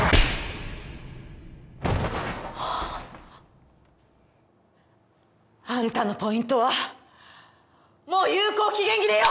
はっ！あんたのポイントはもう有効期限切れよ！